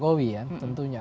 kan penentunya pak jokowi ya